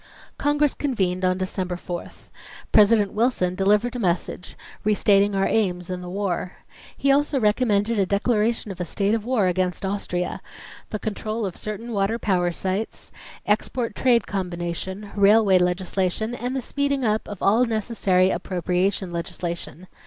Congress convened on December 4th. President Wilson delivered a message, restating our aims in the war. He also recommended a declaration of a state of war against Austria; the control of certain water power sites; export trade combination; railway legislation; and the speeding up of all necessary appropriation legislation.